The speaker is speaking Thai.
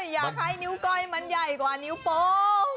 อยากให้นิ้วก้อยมันใหญ่กว่านิ้วโป้ง